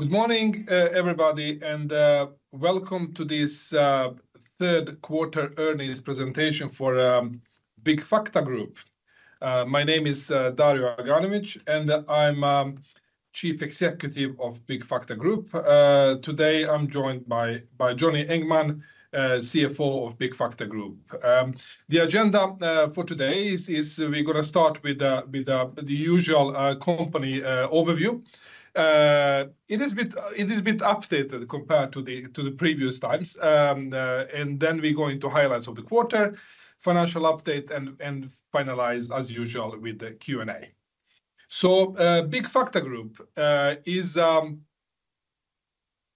Good morning, everybody, and welcome to this Third Quarter Earnings Presentation for Byggfakta Group. My name is Dario Aganovic, and I'm Chief Executive of Byggfakta Group. Today I'm joined by Johnny Engman, CFO of Byggfakta Group. The agenda for today is we're gonna start with the usual company overview. It is a bit updated compared to the previous times. And then we go into highlights of the quarter, financial update, and finalize as usual with the Q&A. So, Byggfakta Group is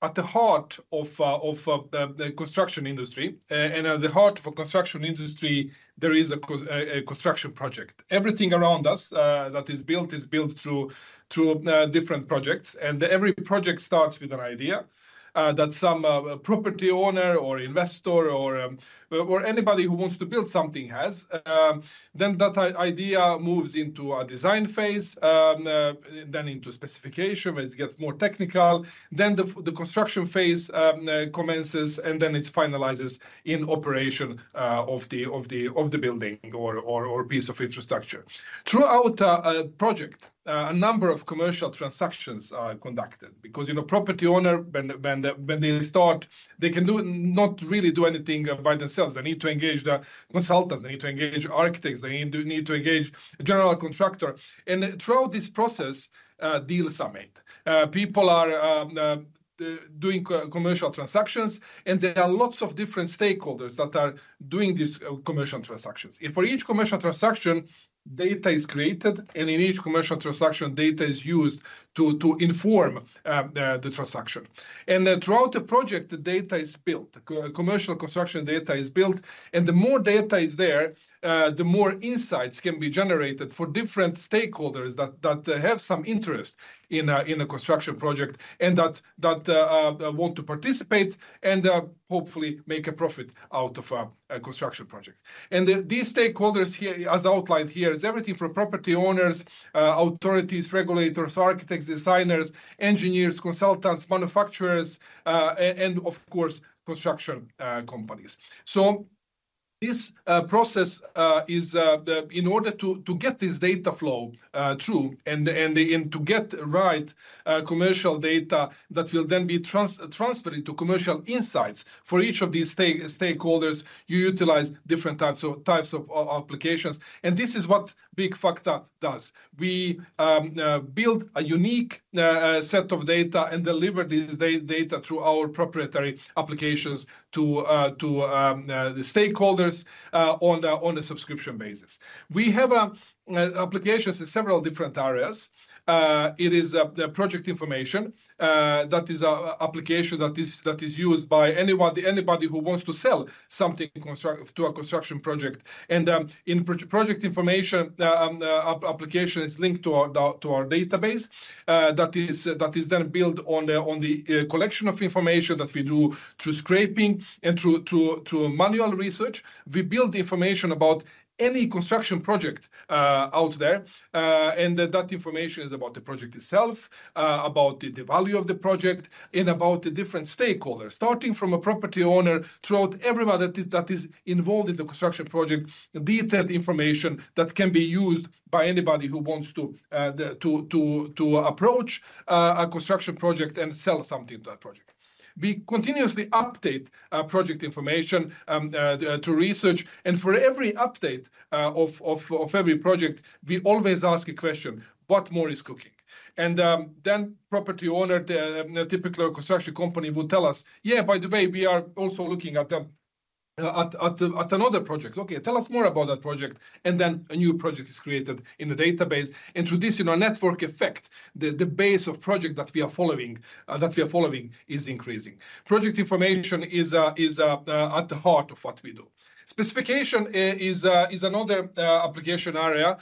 at the heart of the construction industry. And at the heart of the construction industry, there is a construction project. Everything around us, that is built, is built through different projects. Every project starts with an idea that some property owner or investor or anybody who wants to build something has. Then that idea moves into a design phase, then into specification, where it gets more technical, then the construction phase commences, and then it finalizes in operation of the building or piece of infrastructure. Throughout a project, a number of commercial transactions are conducted because, you know, property owner, when they start, they can not really do anything by themselves. They need to engage the consultants, they need to engage architects, they need to engage a general contractor. Throughout this process, deals are made. People are doing commercial transactions, and there are lots of different stakeholders that are doing these commercial transactions. For each commercial transaction, data is created, and in each commercial transaction, data is used to inform the transaction. Throughout the project, the data is built. Commercial construction data is built, and the more data is there, the more insights can be generated for different stakeholders that have some interest in a construction project and that want to participate and hopefully make a profit out of a construction project. These stakeholders here, as outlined here, is everything from property owners, authorities, regulators, architects, designers, engineers, consultants, manufacturers, and of course, construction companies. So this process is the... In order to get this data flow through, and to get right commercial data that will then be transferred into commercial insights for each of these stakeholders, you utilize different types of applications, and this is what Byggfakta does. We build a unique set of data and deliver this data through our proprietary applications to the stakeholders on a subscription basis. We have applications in several different areas. It is the Project Information that is a application that is used by anybody who wants to sell something to a construction project. In project information, application is linked to our database, that is then built on the collection of information that we do through scraping and through manual research. We build the information about any construction project out there, and that information is about the project itself, about the value of the project, and about the different stakeholders. Starting from a property owner, throughout everyone that is involved in the construction project, detailed information that can be used by anybody who wants to approach a construction project and sell something to that project. We continuously update project information to research, and for every update of every project, we always ask a question: What more is cooking? And then the property owner, a typical construction company will tell us, "Yeah, by the way, we are also looking at another project." "Okay, tell us more about that project." And then a new project is created in the database, and through this, you know, network effect, the base of project that we are following is increasing. Project information is at the heart of what we do. Specification is another application area.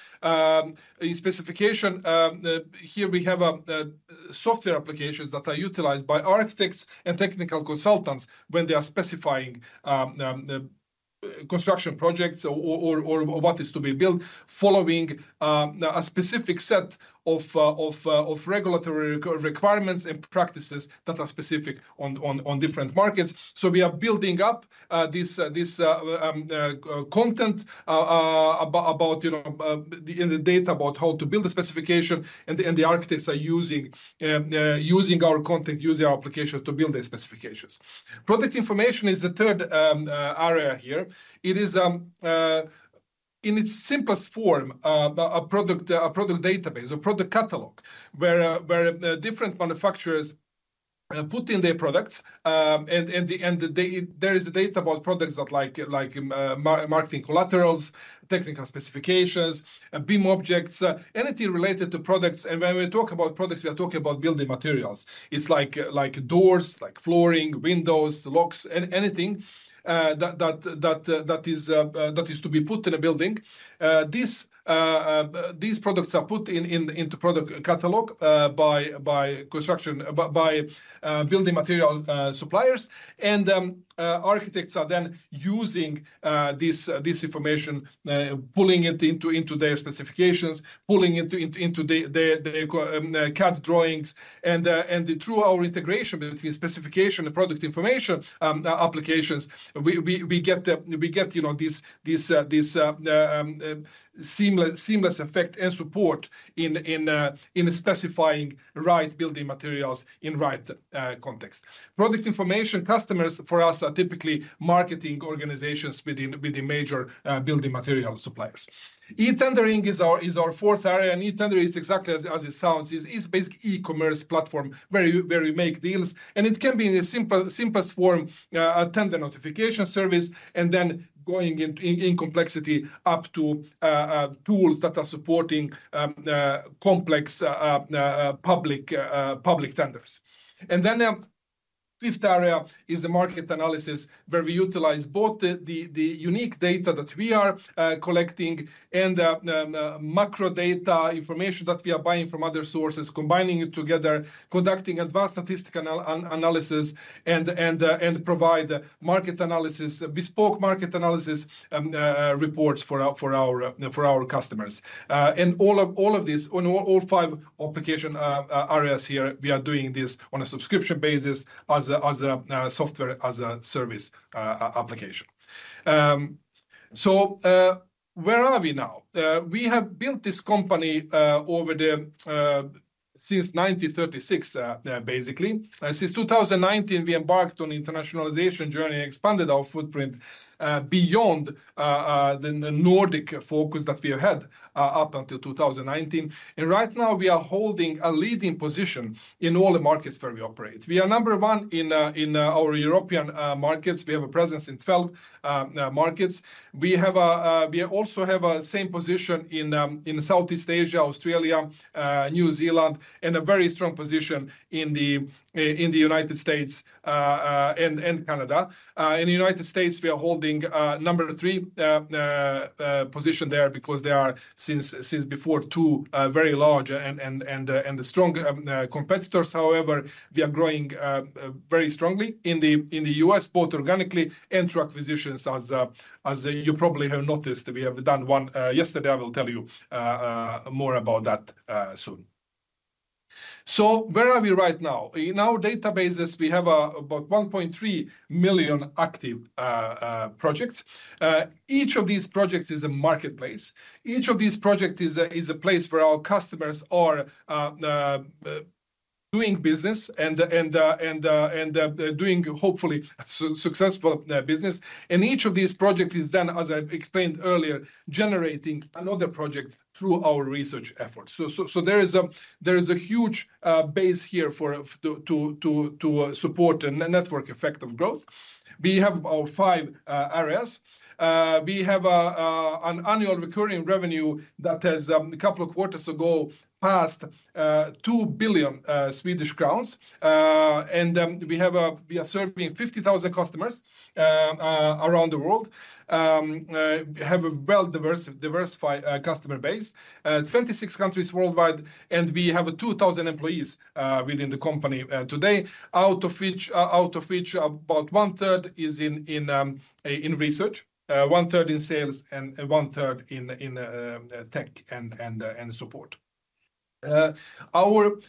In specification, here we have software applications that are utilized by architects and technical consultants when they are specifying construction projects or what is to be built, following a specific set of regulatory requirements and practices that are specific on different markets. So we are building up this content about, you know, in the data about how to build a specification, and the architects are using our content, using our application to build their specifications. Product information is the third area here. It is, in its simplest form, a product database, a product catalog, where different manufacturers put in their products. And the there is data about products that like, like, marketing collaterals, technical specifications, BIM objects, anything related to products. And when we talk about products, we are talking about building materials. It's like, like doors, like flooring, windows, locks, anything that is to be put in a building. These products are put in the product catalog by building material suppliers. And architects are then using this information, pulling it into their specifications, pulling it into the CAD drawings. Through our integration between specification and product information applications, we get—you know—this seamless effect and support in specifying right building materials in right context. Product information customers for us are typically marketing organizations with the major building material suppliers. E-tendering is our fourth area, and e-tendering is exactly as it sounds. It's basically e-commerce platform where you make deals, and it can be in a simple, simplest form a tender notification service, and then going in complexity up to tools that are supporting complex public tenders. And then, fifth area is the market analysis, where we utilize both the unique data that we are collecting and the macro data information that we are buying from other sources, combining it together, conducting advanced statistical analysis, and provide market analysis, bespoke market analysis, reports for our customers. And all of these, on all five application areas here, we are doing this on a subscription basis as a software as a service application. So, where are we now? We have built this company over the... Since 1936, basically, and since 2019, we embarked on internationalization journey and expanded our footprint beyond the Nordic focus that we had up until 2019. And right now, we are holding a leading position in all the markets where we operate. We are number one in our European markets. We have a presence in 12 markets. We also have a same position in Southeast Asia, Australia, New Zealand, and a very strong position in the United States and Canada. In the United States, we are holding number three position there because there are since, since before two very large and strong competitors. However, we are growing very strongly in the U.S., both organically and through acquisitions, as you probably have noticed, we have done one yesterday. I will tell you more about that soon. So where are we right now? In our databases, we have about 1.3 million active projects. Each of these projects is a marketplace. Each of these project is a place where our customers are doing business and doing hopefully successful business. And each of these project is then, as I explained earlier, generating another project through our research efforts. So there is a huge base here to support a network effect of growth. We have our 5 areas. We have an annual recurring revenue that has a couple of quarters ago passed 2 billion Swedish crowns. And we are serving 50,000 customers around the world. We have a well-diversified customer base, 26 countries worldwide, and we have 2,000 employees within the company today. Out of which, about one third is in research, one third in sales, and one third in tech and support. Our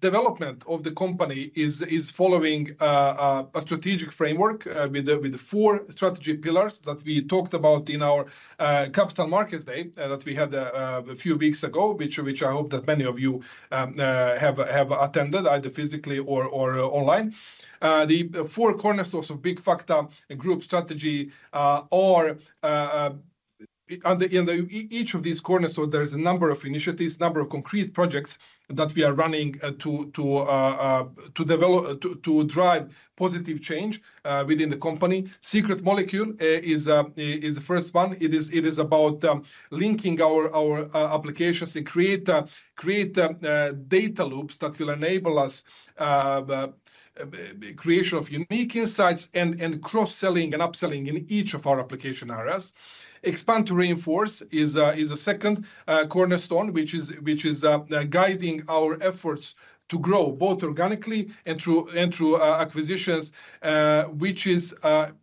development of the company is following a strategic framework with four strategy pillars that we talked about in our Capital Markets Day that we had a few weeks ago, which I hope that many of you have attended, either physically or online. The four cornerstones of Byggfakta Group strategy under each of these cornerstones there is a number of initiatives, number of concrete projects that we are running to drive positive change within the company. Secret Molecule is the first one. It is about linking our applications and create data loops that will enable us creation of unique insights and cross-selling and upselling in each of our application areas. Expand to Reinforce is a second cornerstone, which is guiding our efforts to grow both organically and through acquisitions. Which is our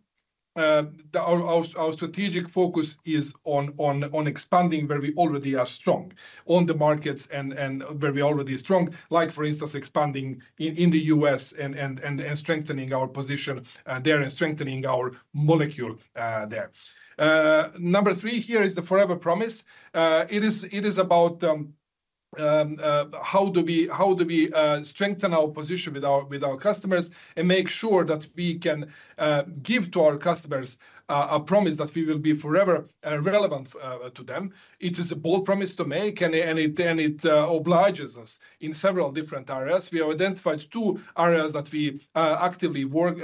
strategic focus is on expanding where we already are strong on the markets and where we already are strong. Like, for instance, expanding in the U.S. and strengthening our position there and strengthening our molecule there. Number three here is the Forever Promise. It is about how we strengthen our position with our customers and make sure that we can give to our customers a promise that we will be forever relevant to them. It is a bold promise to make, and it obliges us in several different areas. We have identified two areas that we actively work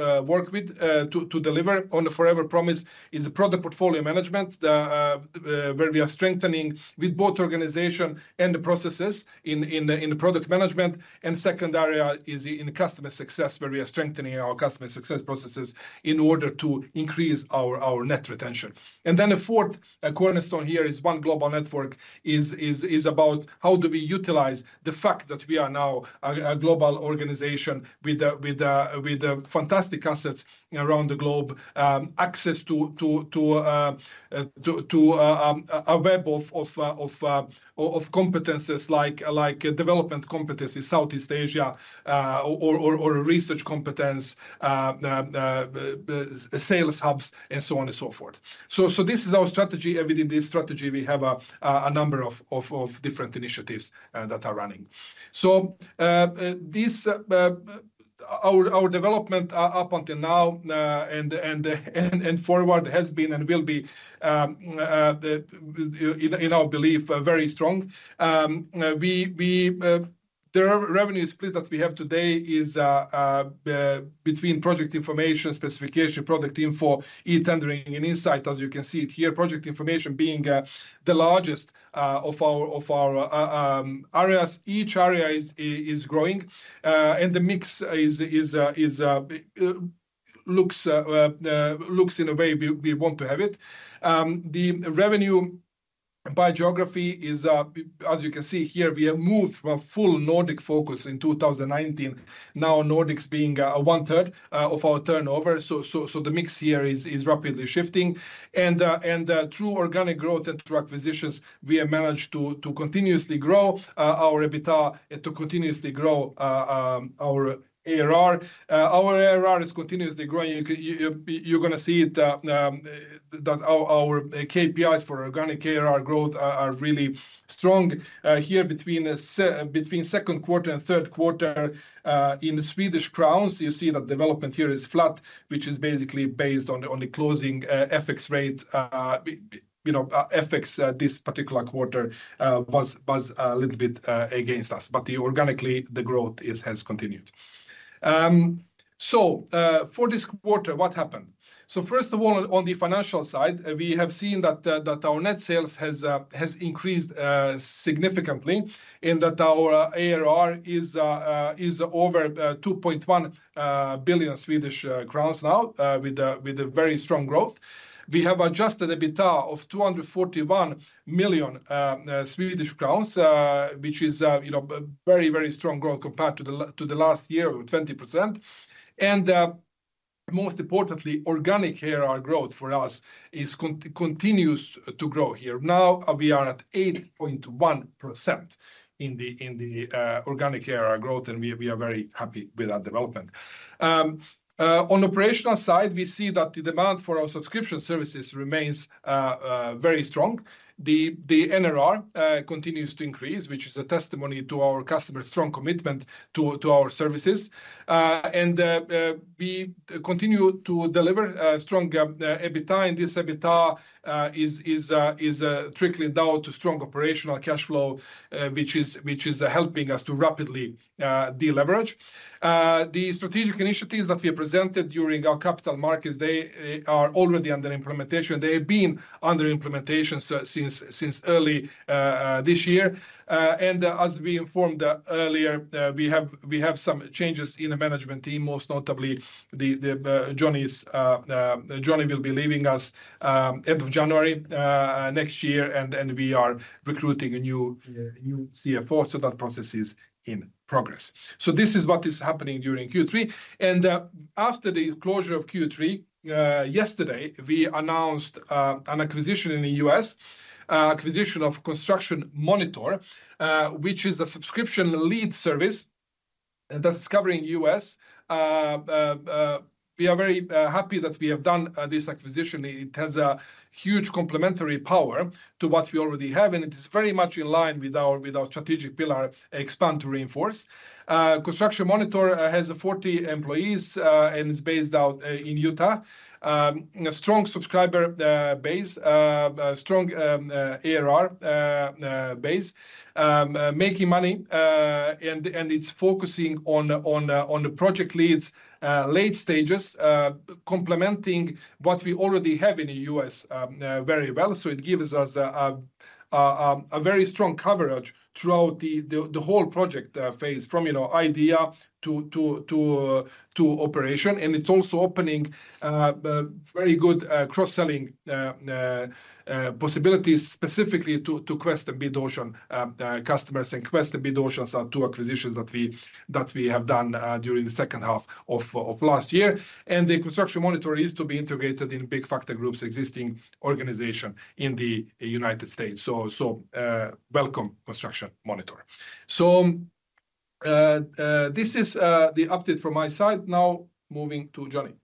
with to deliver on the Forever Promise: the product portfolio management, where we are strengthening with both organization and the processes in the product management. And second area is in the customer success, where we are strengthening our customer success processes in order to increase our net retention. And then the fourth cornerstone here is One Global Network, is about how do we utilize the fact that we are now a global organization with a fantastic assets around the globe, access to a web of competencies like development competency in Southeast Asia, or a research competence, the sales hubs, and so on and so forth. So this is our strategy, and within this strategy, we have a number of different initiatives that are running. Our development up until now and forward has been and will be, in our belief, very strong. The revenue split that we have today is between project information, specification, product info, e-tendering, and insight. As you can see it here, project information being the largest of our areas. Each area is growing, and the mix looks in a way we want to have it. The revenue by geography is, as you can see here, we have moved from a full Nordic focus in 2019. Now, Nordics being one-third of our turnover. So the mix here is rapidly shifting. And through organic growth and through acquisitions, we have managed to continuously grow our EBITDA and to continuously grow our ARR. Our ARR is continuously growing. You're gonna see it that our KPIs for organic ARR growth are really strong. Here between second quarter and third quarter, in SEK, you see that development here is flat, which is basically based on the closing FX rate. You know, FX this particular quarter was a little bit against us. But organically, the growth has continued. So, for this quarter, what happened? So first of all, on the financial side, we have seen that our net sales has increased significantly, and that our ARR is over 2.1 billion Swedish crowns now, with a very strong growth. We have adjusted EBITDA of SEK 241 million, you know, a very, very strong growth compared to the last year, with 20%. And most importantly, organic ARR growth for us continues to grow here. Now, we are at 8.1% in the organic ARR growth, and we are very happy with that development. On operational side, we see that the demand for our subscription services remains very strong. The NRR continues to increase, which is a testimony to our customers' strong commitment to our services. And we continue to deliver strong EBITDA, and this EBITDA is trickling down to strong operational cash flow, which is helping us to rapidly de-leverage. The strategic initiatives that we have presented during our Capital Markets, they are already under implementation. They have been under implementation since early this year. And as we informed earlier, we have some changes in the management team, most notably Johnny will be leaving us end of January next year, and we are recruiting a new CFO. So that process is in progress. So this is what is happening during Q3. And after the closure of Q3, yesterday, we announced an acquisition in the U.S. Acquisition of Construction Monitor, which is a subscription lead service that's covering the U.S. We are very happy that we have done this acquisition. It has a huge complementary power to what we already have, and it is very much in line with our strategic pillar, Expand to Reinforce. Construction Monitor has 40 employees, and is based out in Utah. A strong subscriber base, a strong ARR base. Making money, and it's focusing on the project leads late stages, complementing what we already have in the U.S. very well. So it gives us a very strong coverage throughout the whole project phase, from, you know, idea to operation. It's also opening very good possibilities specifically to QuestCDN and Bid Ocean. Customers in QuestCDN and Bid Ocean are two acquisitions that we have done during the second half of last year. The Construction Monitor is to be integrated in Byggfakta Group's existing organization in the United States. Welcome, Construction Monitor. This is the update from my side. Now, moving to Johnny.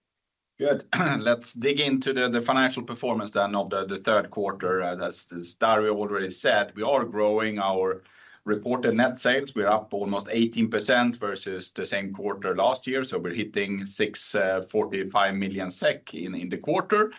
Good. Let's dig into the financial performance then of the third quarter. As Dario already said, we are growing our reported net sales. We're up almost 18% versus the same quarter last year, so we're hitting 645 million SEK in the quarter.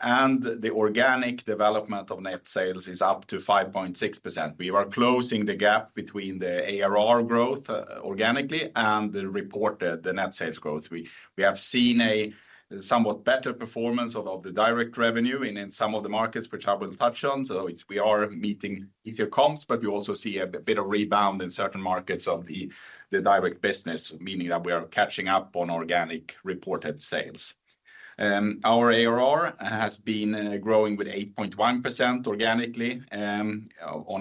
And the organic development of net sales is up 5.6%. We are closing the gap between the ARR growth organically and the reported net sales growth. We have seen a somewhat better performance of the direct revenue in some of the markets, which I will touch on. So it's we are meeting easier comps, but we also see a bit of rebound in certain markets of the direct business, meaning that we are catching up on organic reported sales. Our ARR has been growing with 8.1% organically, on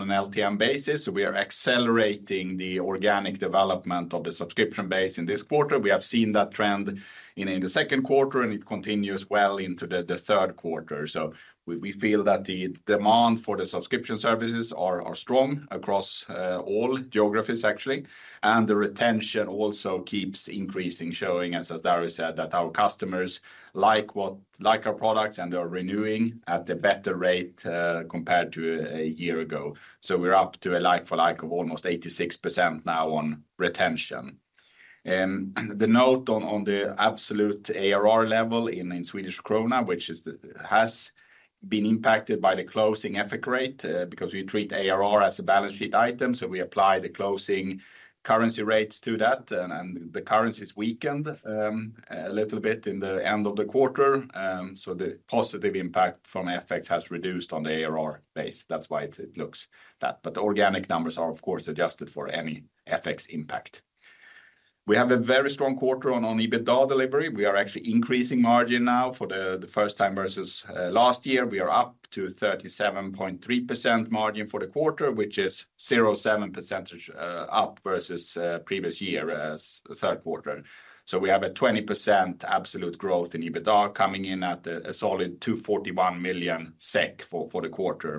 an LTM basis. So we are accelerating the organic development of the subscription base in this quarter. We have seen that trend in the second quarter, and it continues well into the third quarter. So we feel that the demand for the subscription services are strong across all geographies actually. And the retention also keeps increasing, showing, as Dario said, that our customers like what, like our products, and they are renewing at a better rate, compared to a year ago. So we're up to a like-for-like of almost 86% now on retention. The note on the absolute ARR level in Swedish krona, which has been impacted by the closing exchange rate, because we treat ARR as a balance sheet item, so we apply the closing currency rates to that, and the currency is weakened a little bit in the end of the quarter. So the positive impact from FX has reduced on the ARR base. That's why it looks that. But the organic numbers are, of course, adjusted for any FX impact. We have a very strong quarter on EBITDA delivery. We are actually increasing margin now for the first time versus last year. We are up to 37.3% margin for the quarter, which is 0.7 percentage points up versus previous year’s third quarter. So we have a 20% absolute growth in EBITDA coming in at a solid 241 million SEK for the quarter.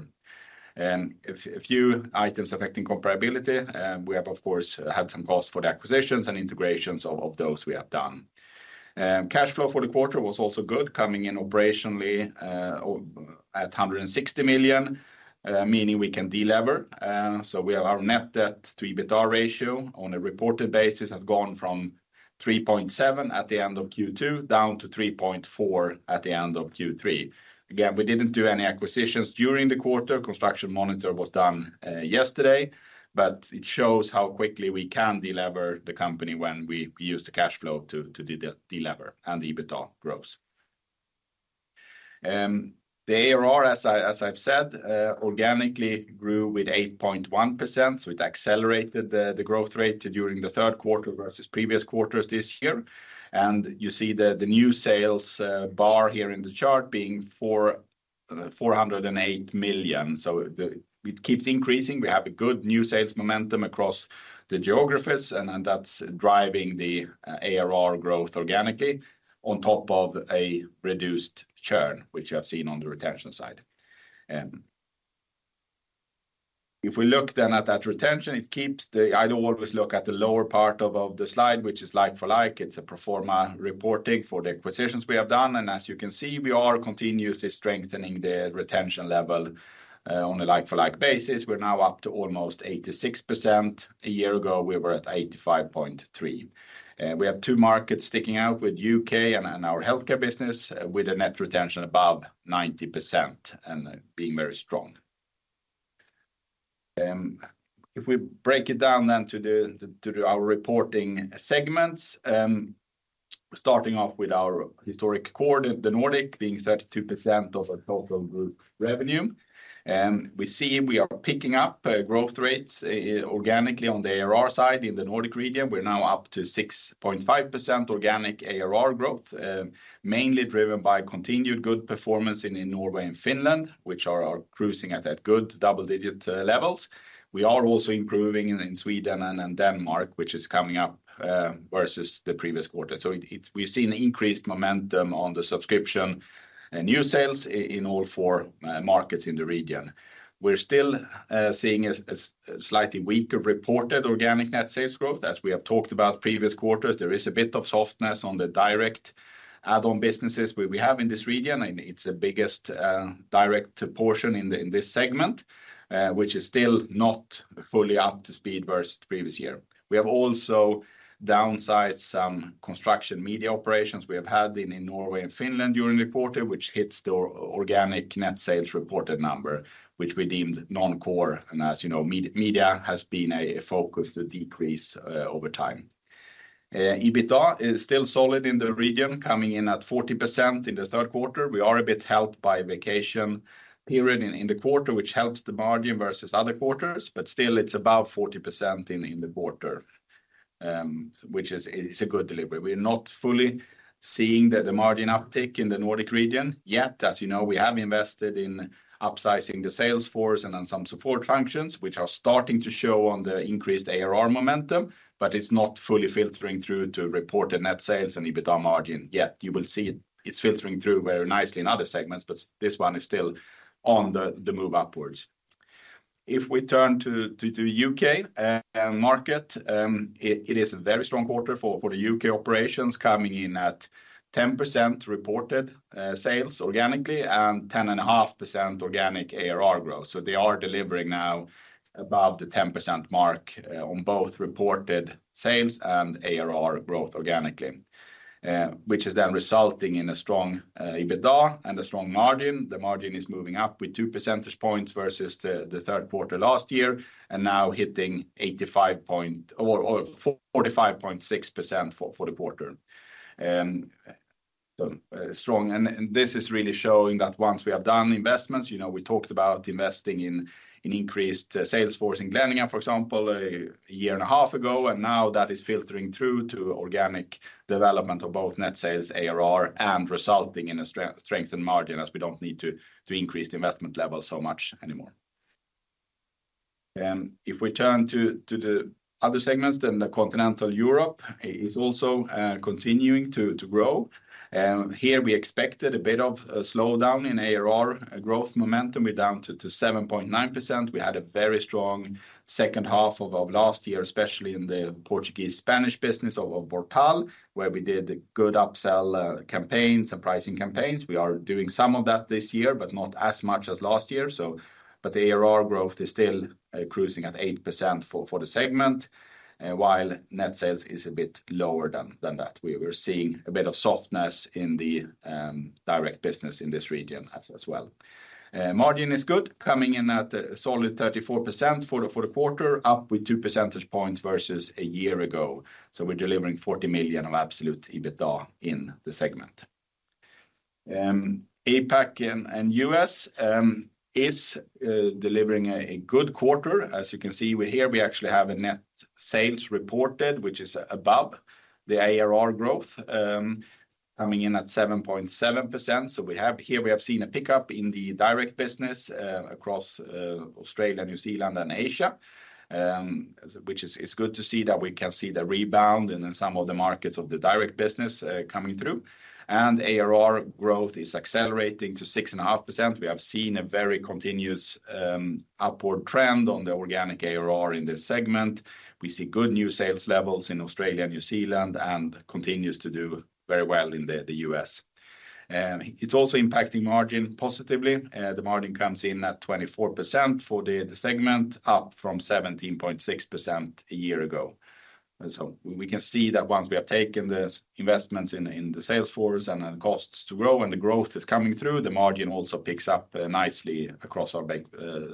And a few items affecting comparability, we have, of course, had some costs for the acquisitions and integrations of those we have done. Cash flow for the quarter was also good, coming in operationally at 160 million, meaning we can de-lever. So we have our net debt to EBITDA ratio on a reported basis has gone from 3.7 at the end of Q2 down to 3.4 at the end of Q3. Again, we didn't do any acquisitions during the quarter. Construction Monitor was done yesterday, but it shows how quickly we can de-lever the company when we use the cash flow to de-lever and EBITDA grows. The ARR, as I, as I've said, organically grew with 8.1%, so it accelerated the growth rate during the third quarter versus previous quarters this year. And you see the new sales bar here in the chart being 408 million. So it keeps increasing. We have a good new sales momentum across the geographies, and that's driving the ARR growth organically on top of a reduced churn, which you have seen on the retention side. If we look then at that retention, it keeps the-- I don't always look at the lower part of the slide, which is like-for-like. It's a pro forma reporting for the acquisitions we have done, and as you can see, we are continuously strengthening the retention level on a like-for-like basis. We're now up to almost 86%. A year ago, we were at 85.3. We have two markets sticking out with UK and our healthcare business, with a net retention above 90% and being very strong. If we break it down then to our reporting segments, starting off with our historic core, the Nordic, being 32% of our total group revenue. We see we are picking up growth rates organically on the ARR side in the Nordic region. We're now up to 6.5% organic ARR growth, mainly driven by continued good performance in Norway and Finland, which are cruising at that good double-digit levels. We are also improving in Sweden and in Denmark, which is coming up versus the previous quarter. So, we've seen increased momentum on the subscription and new sales in all four markets in the region. We're still seeing a slightly weaker reported organic net sales growth. As we have talked about previous quarters, there is a bit of softness on the direct add-on businesses we have in this region, and it's the biggest direct portion in this segment, which is still not fully up to speed versus the previous year. We have also downsized some construction media operations we have had in Norway and Finland during the quarter, which hits the organic net sales reported number, which we deemed non-core. And as you know, media has been a focus to decrease over time. EBITDA is still solid in the region, coming in at 40% in the third quarter. We are a bit helped by vacation period in the quarter, which helps the margin versus other quarters, but still it's about 40% in the quarter, which is a good delivery. We're not fully seeing the margin uptick in the Nordic region, yet. As you know, we have invested in upsizing the sales force and on some support functions, which are starting to show on the increased ARR momentum, but it's not fully filtering through to report the net sales and EBITDA margin. Yet, you will see it, it's filtering through very nicely in other segments, but this one is still on the move upwards. If we turn to UK market, it is a very strong quarter for the UK operations, coming in at 10% reported sales organically and 10.5% organic ARR growth. So they are delivering now above the 10% mark on both reported sales and ARR growth organically, which is then resulting in a strong EBITDA and a strong margin. The margin is moving up with two percentage points versus the third quarter last year, and now hitting eighty-five point or forty-five point 6% for the quarter. So, strong, and this is really showing that once we have done investments, you know, we talked about investing in increased sales force in Glenigan, for example, a year and a half ago, and now that is filtering through to organic development of both net sales, ARR, and resulting in a strengthened margin, as we don't need to increase the investment level so much anymore. If we turn to the other segments, then the continental Europe is also continuing to grow. And here we expected a bit of a slowdown in ARR growth momentum. We're down to 7.9%. We had a very strong second half of last year, especially in the Portuguese, Spanish business of Vortal, where we did a good upsell campaigns and pricing campaigns. We are doing some of that this year, but not as much as last year. So, but the ARR growth is still cruising at 8% for the segment, while net sales is a bit lower than that. We're seeing a bit of softness in the direct business in this region as well. Margin is good, coming in at a solid 34% for the quarter, up with two percentage points versus a year ago. So we're delivering 40 million of absolute EBITDA in the segment. APAC and U.S. is delivering a good quarter. As you can see, here we actually have a net sales reported, which is above the ARR growth, coming in at 7.7%. So, here we have seen a pickup in the direct business across Australia, New Zealand, and Asia, which is good to see that we can see the rebound and in some of the markets of the direct business coming through. And ARR growth is accelerating to 6.5%. We have seen a very continuous upward trend on the organic ARR in this segment. We see good new sales levels in Australia, New Zealand, and continues to do very well in the U.S. And it's also impacting margin positively. The margin comes in at 24% for the segment, up from 17.6% a year ago. So we can see that once we have taken the investments in, in the sales force and the costs to grow and the growth is coming through, the margin also picks up nicely across our big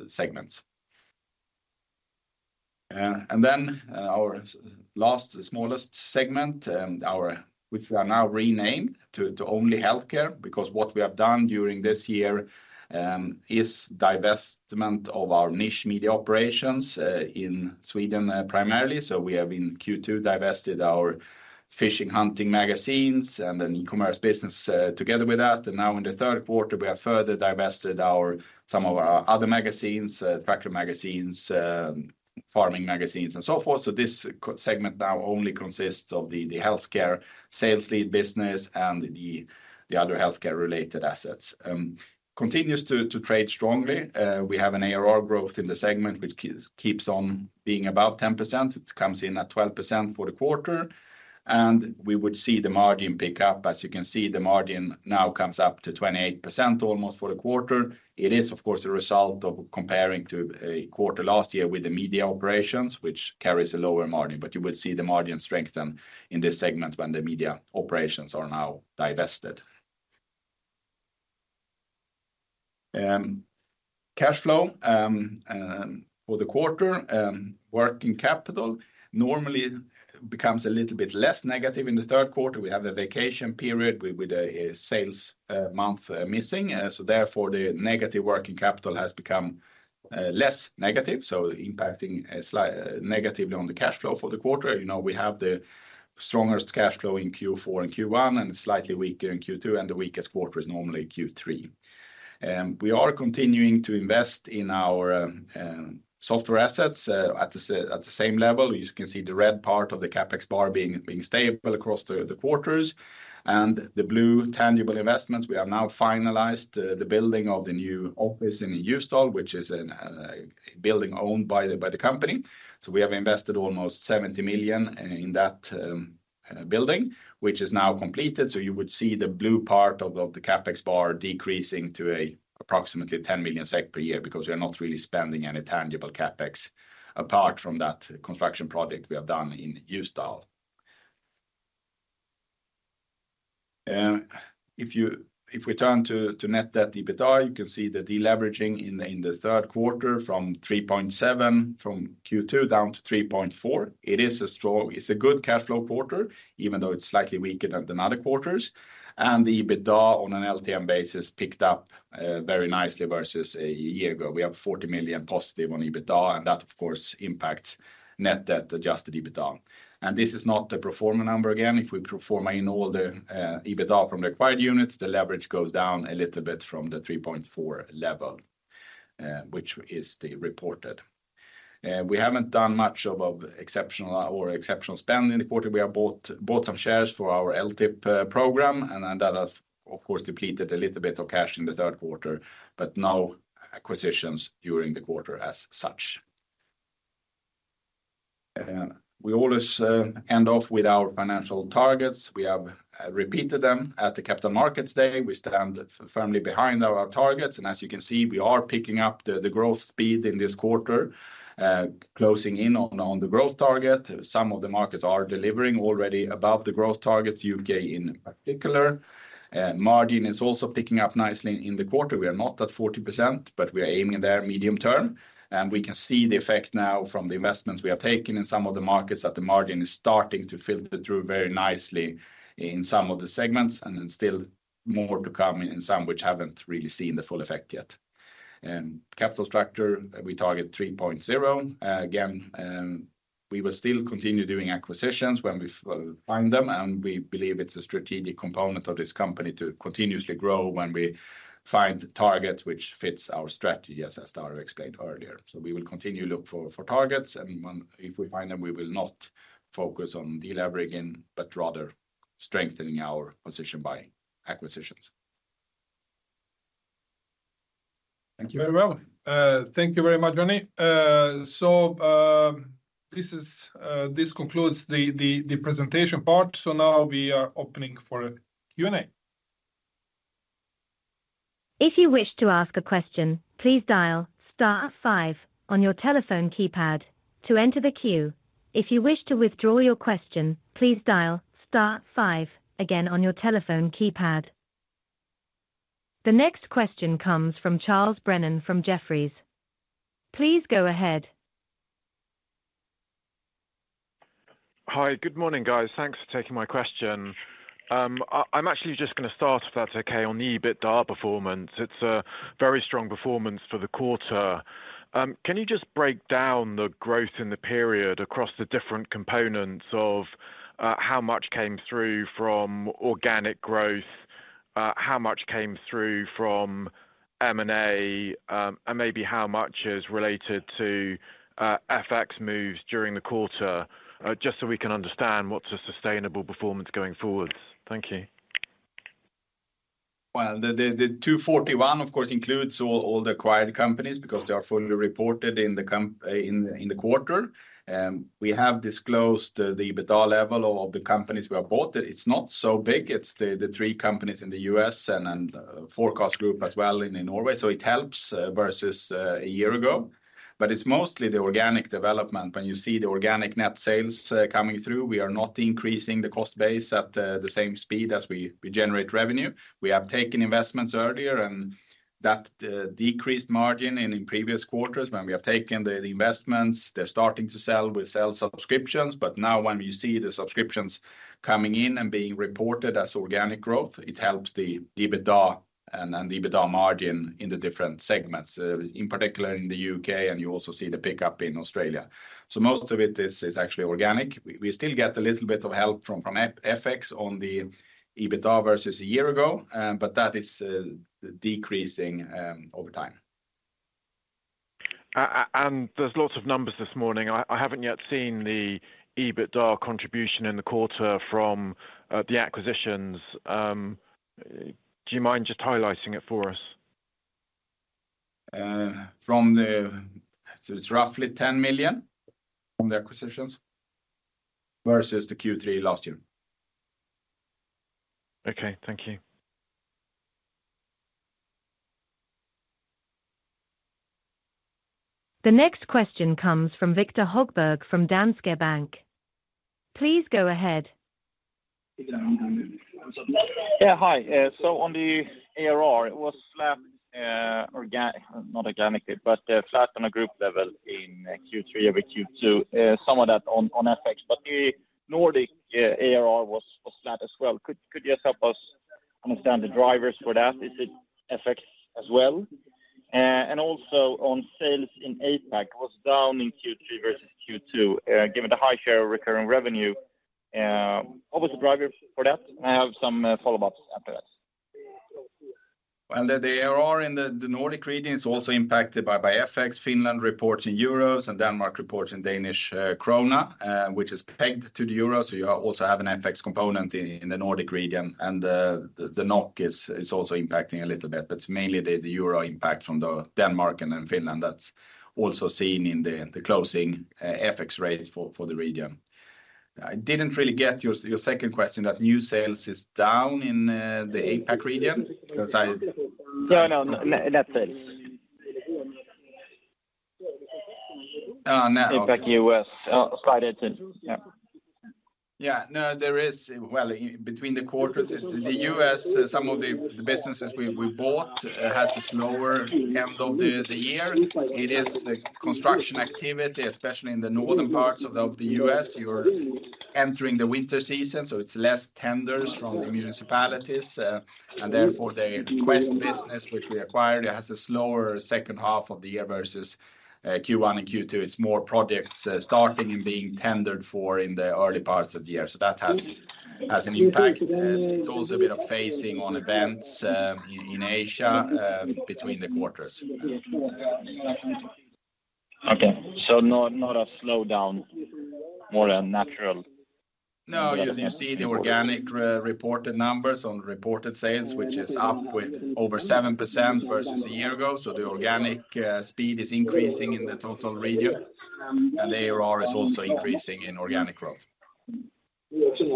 segments. And then our last, smallest segment, which we are now renamed to only healthcare, because what we have done during this year is divestment of our niche media operations in Sweden, primarily. So we have in Q2 divested our fishing, hunting magazines and an e-commerce business together with that. And now in the third quarter, we have further divested our some of our other magazines, factory magazines, farming magazines, and so forth. So this co-segment now only consists of the healthcare sales lead business and the other healthcare-related assets, continues to trade strongly. We have an ARR growth in the segment, which keeps on being above 10%. It comes in at 12% for the quarter, and we would see the margin pick up. As you can see, the margin now comes up to 28%, almost for the quarter. It is, of course, a result of comparing to a quarter last year with the media operations, which carries a lower margin, but you would see the margin strengthen in this segment when the media operations are now divested. Cash flow for the quarter, working capital normally becomes a little bit less negative in the third quarter. We have the vacation period with a sales month missing. So therefore, the negative working capital has become less negative, so impacting slightly negatively on the cash flow for the quarter. You know, we have the strongest cash flow in Q4 and Q1, and slightly weaker in Q2, and the weakest quarter is normally Q3. We are continuing to invest in our software assets at the same level. You can see the red part of the CapEx bar being stable across the quarters, and the blue tangible investments. We have now finalized the building of the new office in Ljusdal, which is a building owned by the company. So we have invested almost 70 million in that building, which is now completed. So you would see the blue part of the CapEx bar decreasing to approximately 10 million SEK per year, because we are not really spending any tangible CapEx, apart from that construction project we have done in Ljusdal. If we turn to net debt EBITDA, you can see the deleveraging in the third quarter from 3.7 from Q2 down to 3.4. It is a strong, it's a good cash flow quarter, even though it's slightly weaker than the other quarters. And the EBITDA on an LTM basis picked up very nicely versus a year ago. We have 40 million positive on EBITDA, and that, of course, impacts net debt, adjusted EBITDA. And this is not the pro forma number again. If we pro forma in all the EBITDA from the acquired units, the leverage goes down a little bit from the 3.4 level, which is the reported. We haven't done much of exceptional spend in the quarter. We have bought, bought some shares for our LTIP program, and then that has, of course, depleted a little bit of cash in the third quarter, but no acquisitions during the quarter as such. We always end off with our financial targets. We have repeated them at the Capital Markets Day. We stand firmly behind our targets, and as you can see, we are picking up the, the growth speed in this quarter, closing in on, on the growth target. Some of the markets are delivering already above the growth targets, U.K. in particular. Margin is also picking up nicely in the quarter. We are not at 40%, but we are aiming there medium term. And we can see the effect now from the investments we have taken in some of the markets, that the margin is starting to filter through very nicely in some of the segments, and then still more to come in some which haven't really seen the full effect yet. Capital structure, we target 3.0. We will still continue doing acquisitions when we find them, and we believe it's a strategic component of this company to continuously grow when we find the target which fits our strategy, as I started explained earlier. So we will continue to look for targets, and when if we find them, we will not focus on deleveraging, but rather strengthening our position by acquisitions. Thank you. Very well. Thank you very much, Johnny. So, this concludes the presentation part. So now we are opening for a Q&A. If you wish to ask a question, please dial star five on your telephone keypad to enter the queue. If you wish to withdraw your question, please dial star five again on your telephone keypad. The next question comes from Charles Brennan from Jefferies. Please go ahead. Hi, good morning, guys. Thanks for taking my question. I'm actually just gonna start, if that's okay, on the EBITDA performance. It's a very strong performance for the quarter. Can you just break down the growth in the period across the different components of how much came through from organic growth, how much came through from M&A, and maybe how much is related to FX moves during the quarter? Just so we can understand what's a sustainable performance going forward. Thank you. Well, the 241, of course, includes all the acquired companies because they are fully reported in the comparable quarter. We have disclosed the EBITDA level of the companies we have bought. It's not so big. It's the three companies in the U.S. and 4CastGroup as well in Norway, so it helps versus a year ago. But it's mostly the organic development. When you see the organic net sales coming through, we are not increasing the cost base at the same speed as we generate revenue. We have taken investments earlier, and that decreased margin in the previous quarters. When we have taken the investments, they're starting to sell. We sell subscriptions, but now when you see the subscriptions coming in and being reported as organic growth, it helps the EBITDA and EBITDA margin in the different segments, in particular in the U.K., and you also see the pickup in Australia. So most of it is actually organic. We still get a little bit of help from FX on the EBITDA versus a year ago, but that is decreasing over time. There's lots of numbers this morning. I haven't yet seen the EBITDA contribution in the quarter from the acquisitions. Do you mind just highlighting it for us? So it's roughly 10 million from the acquisitions versus the Q3 last year. Okay, thank you. The next question comes from Viktor Högbergfrom Danske Bank. Please go ahead. Yeah, hi. So on the ARR, it was flat, organ- not organically, but, flat on a group level in Q3 over Q2. Some of that on, on FX, but the Nordic ARR was flat as well. Could you just help us understand the drivers for that? Is it FX as well? And also on sales in APAC was down in Q3 versus Q2, given the high share of recurring revenue. What was the driver for that? I have some follow-ups after that. Well, the ARR in the Nordic region is also impacted by FX. Finland reports in euros, and Denmark reports in Danish krone, which is pegged to the euro. So you also have an FX component in the Nordic region, and the NOK is also impacting a little bit. That's mainly the euro impact from Denmark and then Finland that's also seen in the closing FX rates for the region. I didn't really get your second question, that new sales is down in the APAC region? 'Cause I- No, no, net sales. Oh, net. APAC U.S., slide into. Yeah. Yeah. No, there is... Well, between the quarters, the U.S., some of the businesses we bought has a slower end of the year. It is a construction activity, especially in the northern parts of the U.S. You're entering the winter season, so it's less tenders from the municipalities, and therefore, the Quest business, which we acquired, it has a slower second half of the year versus Q1 and Q2. It's more projects starting and being tendered for in the early parts of the year. So that has an impact. It's also a bit of phasing on events in Asia between the quarters. Okay. So not, not a slowdown, more a natural- No, you can see the organic re-reported numbers on reported sales, which is up with over 7% versus a year ago. So the organic speed is increasing in the total region, and the ARR is also increasing in organic growth. Okay.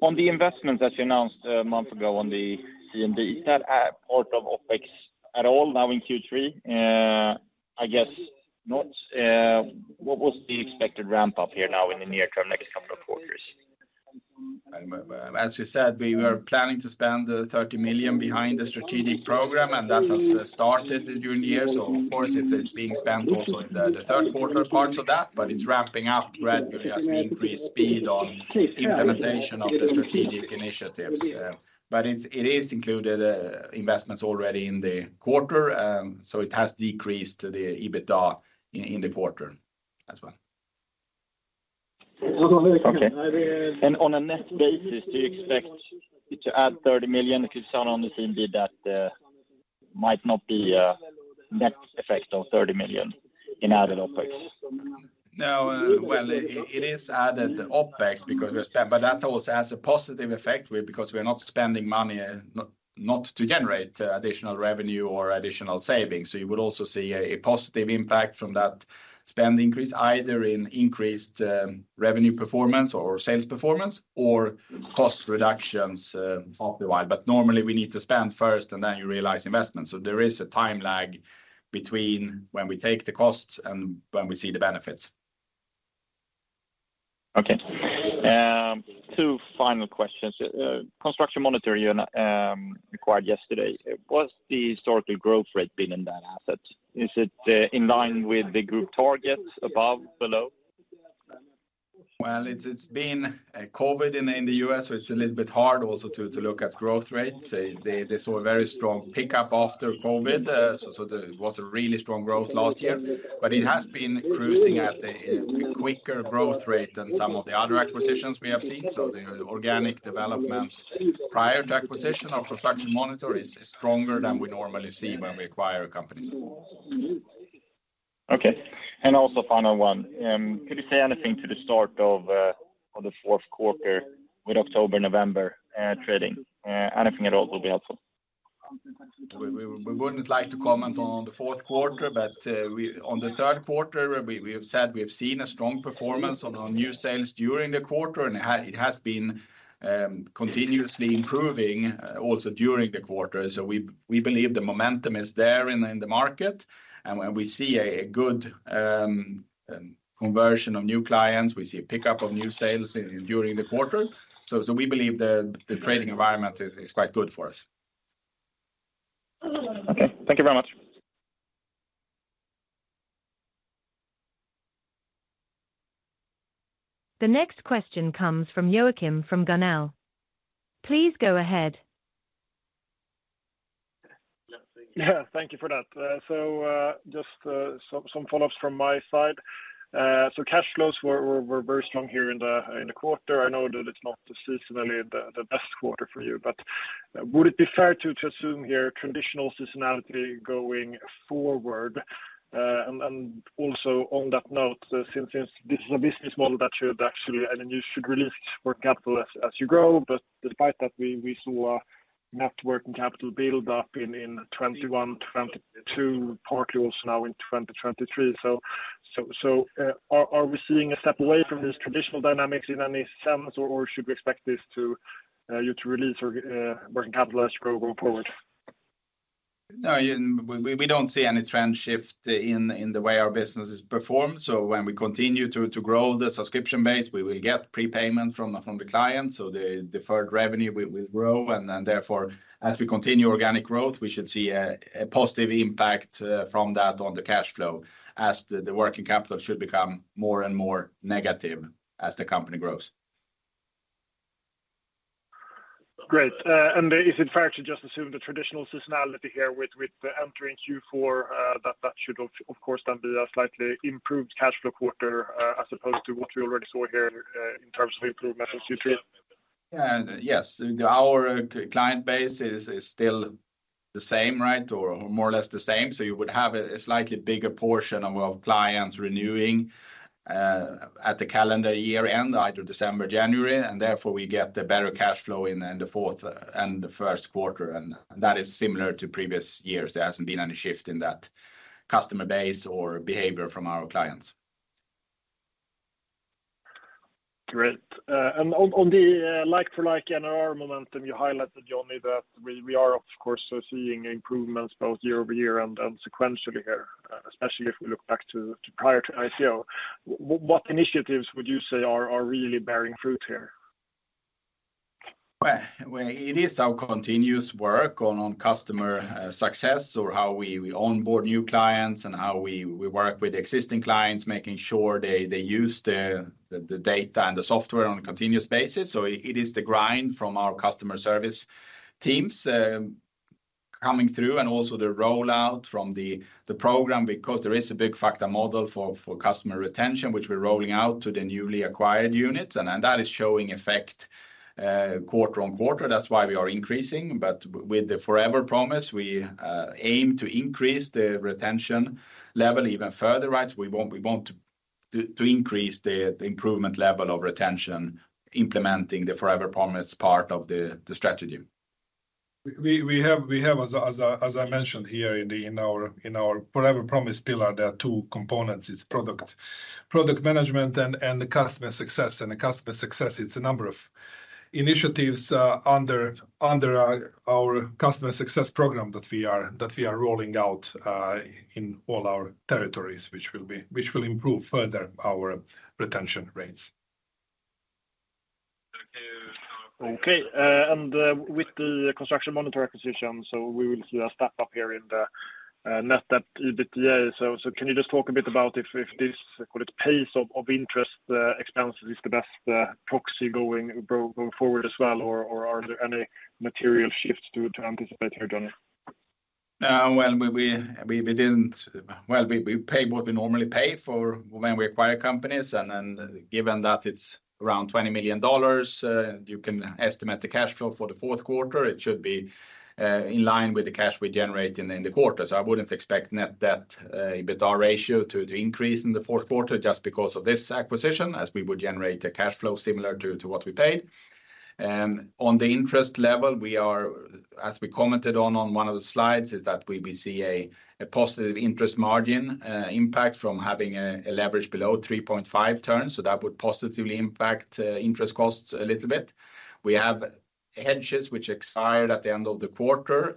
On the investment that you announced a month ago on the CMD, is that a part of OpEx at all now in Q3? I guess not. What was the expected ramp-up here now in the near term, next couple of quarters? As you said, we were planning to spend 30 million behind the strategic program, and that has started during the year. So of course, it's being spent also in the third quarter, parts of that, but it's ramping up gradually as we increase speed on implementation of the strategic initiatives. But it is included, investments already in the quarter, so it has decreased the EBITDA in the quarter as well. Okay, and on a net basis, do you expect to add 30 million because someone on the team did that, might not be a net effect of 30 million in added OpEx? No, well, it is added the OpEx because we're spending but that also has a positive effect because we are not spending money, not to generate additional revenue or additional savings. So you would also see a positive impact from that spend increase, either in increased revenue performance or sales performance, or cost reductions of the whole. But normally we need to spend first, and then you realize investment. So there is a time lag between when we take the costs and when we see the benefits. Okay. Two final questions. Construction Monitor, you acquired yesterday, what's the historical growth rate been in that asset? Is it in line with the group target, above, below? Well, it's been COVID in the U.S., so it's a little bit hard also to look at growth rates. They saw a very strong pickup after COVID. So it was a really strong growth last year, but it has been cruising at a quicker growth rate than some of the other acquisitions we have seen. So the organic development prior to acquisition of Construction Monitor is stronger than we normally see when we acquire companies. Okay. And also final one, could you say anything to the start of the fourth quarter with October, November trading? Anything at all will be helpful. We wouldn't like to comment on the fourth quarter, but on the third quarter, we have said we have seen a strong performance on our new sales during the quarter, and it has been continuously improving also during the quarter. So we believe the momentum is there in the market, and when we see a good conversion of new clients, we see a pickup of new sales during the quarter. So we believe the trading environment is quite good for us. Okay, thank you very much. The next question comes from Joachim Gunell. Please go ahead. Yeah, thank you for that. So, just some follow-ups from my side. So cash flows were very strong here in the quarter. I know that it's not seasonally the best quarter for you, but would it be fair to assume here traditional seasonality going forward? Also on that note, since this is a business model that should actually—I mean, you should release working capital as you grow, but despite that, we saw a net working capital build up in 2021, 2022, partly also now in 2023. So, are we seeing a step away from these traditional dynamics in any sense, or should we expect this to you to release working capital as you grow going forward? No, yeah, we don't see any trend shift in the way our business is performed. So when we continue to grow the subscription base, we will get prepayment from the clients. So the deferred revenue will grow, and then therefore, as we continue organic growth, we should see a positive impact from that on the cash flow, as the working capital should become more and more negative as the company grows. Great. Is it fair to just assume the traditional seasonality here with entering Q4, that should, of course, then be a slightly improved cash flow quarter, as opposed to what we already saw here, in terms of improvements Q3? Yes, our client base is still the same, right? Or more or less the same. So you would have a slightly bigger portion of clients renewing at the calendar year end, either December or January, and therefore we get the better cash flow in the fourth and the first quarter, and that is similar to previous years. There hasn't been any shift in that customer base or behavior from our clients. Great. And on the like-for-like NRR momentum, you highlighted, Johnny, that we are of course seeing improvements both year-over-year and sequentially here, especially if we look back to prior to IPO. What initiatives would you say are really bearing fruit here? Well, it is our continuous work on customer success, or how we onboard new clients and how we work with existing clients, making sure they use the data and the software on a continuous basis. So it is the grind from our customer service teams coming through, and also the rollout from the program, because there is a big factor model for customer retention, which we're rolling out to the newly acquired units. And that is showing effect quarter on quarter. That's why we are increasing. But with the Forever Promise, we aim to increase the retention level even further, right? We want to increase the improvement level of retention, implementing the Forever Promise part of the strategy. We have, as I mentioned here in our Forever Promise pillar, there are two components: it's product management and the customer success. The customer success is a number of initiatives under our customer success program that we are rolling out in all our territories, which will improve further our retention rates. Okay, and with the Construction Monitor acquisition, so we will see a step up here in the net debt, EBITDA. So, can you just talk a bit about if this, call it, pace of interest expenses is the best proxy going forward as well, or are there any material shifts to anticipate here, Johnny? Well, we pay what we normally pay for when we acquire companies, and given that it's around $20 million, you can estimate the cash flow for the fourth quarter. It should be in line with the cash we generate in the quarter. So I wouldn't expect net debt EBITDA ratio to increase in the fourth quarter just because of this acquisition, as we would generate a cash flow similar to what we paid. And on the interest level, we are, as we commented on one of the slides, is that we will see a positive interest margin impact from having a leverage below 3.5 times. So that would positively impact interest costs a little bit. We have hedges which expired at the end of the quarter,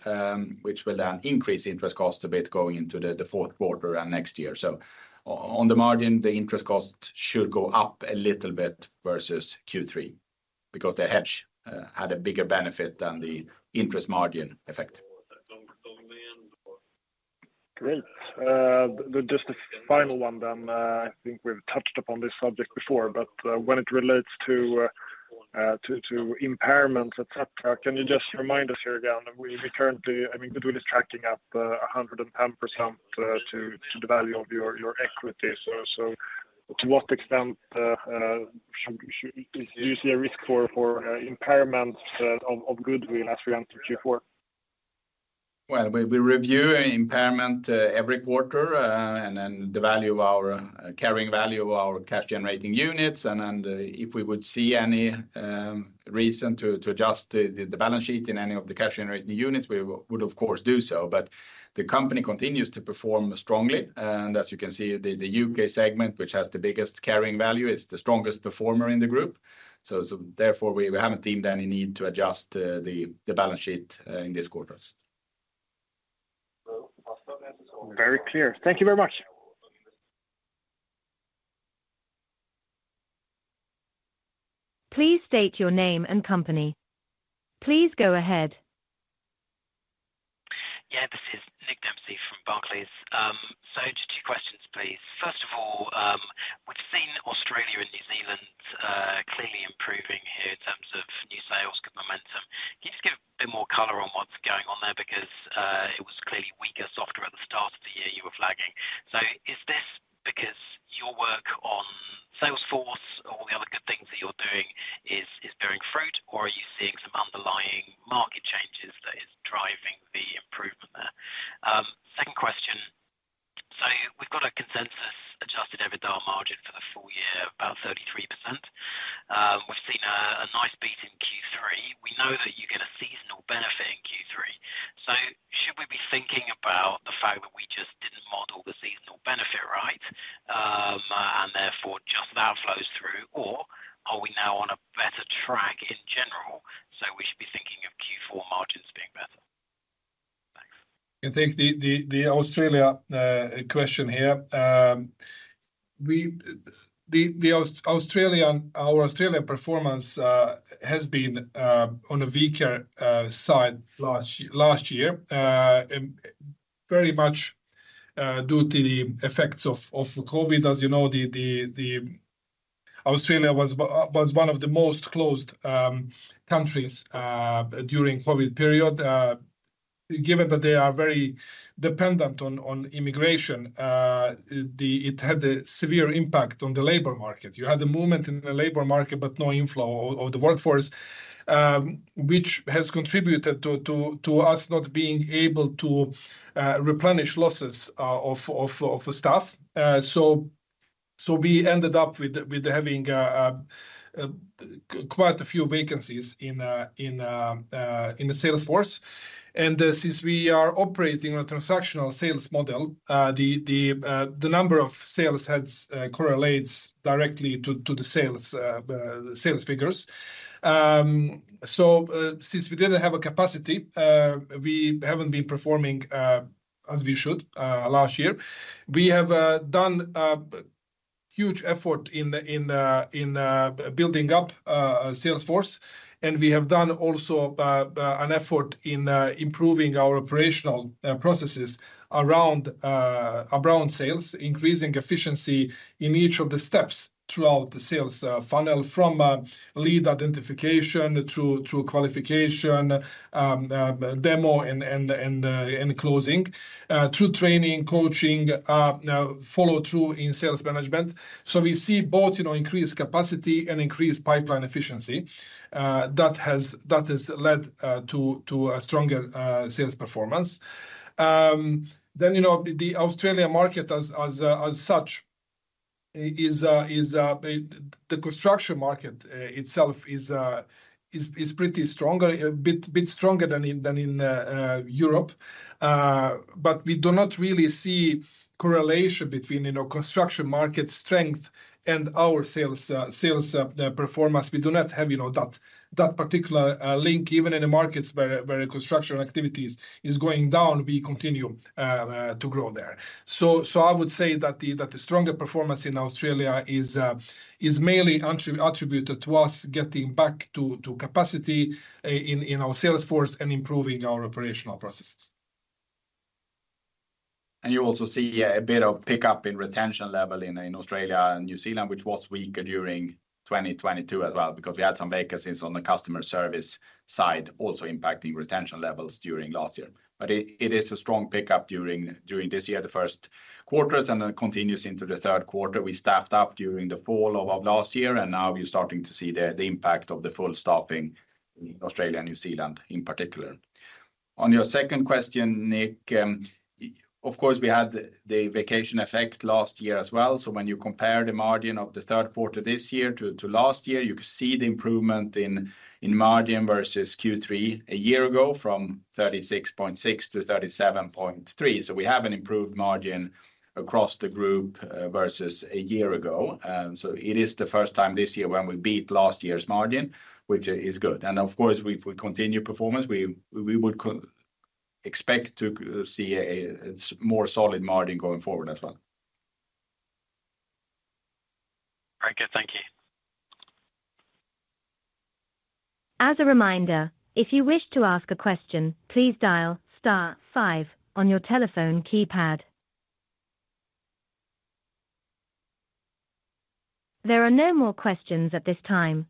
which will then increase interest costs a bit going into the fourth quarter and next year. So on the margin, the interest cost should go up a little bit versus Q3, because the hedge had a bigger benefit than the interest margin effect. Great. Just a final one then. I think we've touched upon this subject before, but, when it relates to, to impairment, et cetera, can you just remind us here again? We currently... I mean, goodwill is tracking up 110% to the value of your equity. So, to what extent, should do you see a risk for, impairment of goodwill as we enter Q4? Well, we review impairment every quarter, and then the value of our carrying value of our cash-generating units. If we would see any reason to adjust the balance sheet in any of the cash-generating units, we would, of course, do so. But the company continues to perform strongly. And as you can see, the U.K. segment, which has the biggest carrying value, is the strongest performer in the group. Therefore, we haven't deemed any need to adjust the balance sheet in this quarter. Very clear. Thank you very much. Please state your name and company. Please go ahead. Yeah, this is Nick Dempsey from Barclays. So just two questions, please. First of all, we've seen Australia and New Zealand clearly improving here in terms of new sales momentum. Can you just give a bit more color on what's going on there? Because it was clearly weaker, softer at the start of the year, you were flagging. So is this because your work on sales force or the other good things that you're doing is bearing fruit, or are you seeing some underlying market changes that is driving the improvement there? Second question: So we've got a consensus-adjusted EBITDA margin for the full year, about 33%. We've seen a nice beat in Q3. We know that you get a seasonal benefit in Q3. So should we be thinking about the fact that we just didn't model the seasonal benefit right, and therefore just that flows through, or are we now on a better track in general, so we should be thinking of Q4 margins being better? Thanks. I think the Australia question here. The Australian—our Australian performance has been on a weaker side last year, last year, and very much due to the effects of COVID. As you know, Australia was one of the most closed countries during COVID period. Given that they are very dependent on immigration, it had a severe impact on the labor market. You had the movement in the labor market, but no inflow of the workforce, which has contributed to us not being able to replenish losses of staff. So we ended up with having quite a few vacancies in the sales force. Since we are operating a transactional sales model, the number of sales heads correlates directly to the sales figures. Since we didn't have a capacity, we haven't been performing as we should last year. We have done huge effort in building up sales force, and we have done also an effort in improving our operational processes around sales, increasing efficiency in each of the steps throughout the sales funnel, from lead identification through qualification, demo, and closing through training, coaching, now follow-through in sales management. So we see both, you know, increased capacity and increased pipeline efficiency, that has led to a stronger sales performance. Then, you know, the Australia market as such is the construction market itself is pretty stronger, a bit bit stronger than in Europe. But we do not really see correlation between, you know, construction market strength and our sales performance. We do not have, you know, that particular link. Even in the markets where construction activities is going down, we continue to grow there. So, I would say that the stronger performance in Australia is mainly attributed to us getting back to capacity in our sales force and improving our operational processes. You also see a bit of pickup in retention level in Australia and New Zealand, which was weaker during 2022 as well, because we had some vacancies on the customer service side, also impacting retention levels during last year. But it is a strong pickup during this year, the first quarters, and then continues into the third quarter. We staffed up during the fall of last year, and now we're starting to see the impact of the full staffing in Australia and New Zealand in particular. On your second question, Nick, of course, we had the vacancy effect last year as well. So when you compare the margin of the third quarter this year to last year, you could see the improvement in margin versus Q3 a year ago, from 36.6 to 37.3. So we have an improved margin across the group versus a year ago. So it is the first time this year when we beat last year's margin, which is good. And of course, if we continue performance, we would expect to see a more solid margin going forward as well. Very good. Thank you. As a reminder, if you wish to ask a question, please dial star five on your telephone keypad. There are no more questions at this time,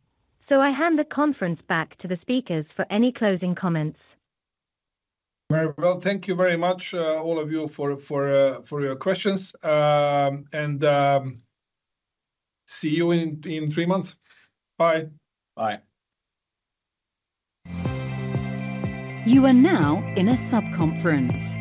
so I hand the conference back to the speakers for any closing comments. Very well. Thank you very much, all of you, for your questions. See you in three months. Bye. Bye. You are now in a subconference.